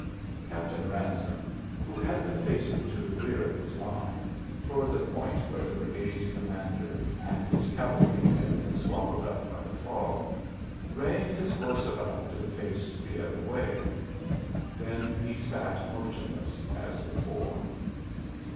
Captain Ransome, who had been facing to the rear of his line toward the point where the brigade commander and his cavalcade had been swallowed up by the fog reined his horse about and faced the other way. Then he sat motionless as before.